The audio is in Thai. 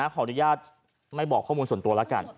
ขออนุญาตไม่บอกข้อมูลส่วนตัวแล้วกัน